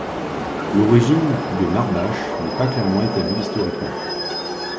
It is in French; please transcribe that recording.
L'origine de Marbache n'est pas clairement établie historiquement.